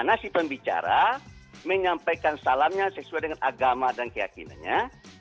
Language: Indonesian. masih pembicara menyampaikan salamnya sesuai dengan agama dan keyakinannya